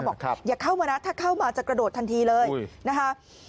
บอกอย่าเข้ามานะถ้าเข้ามาจะกระโดดทันทีเลยนะคะ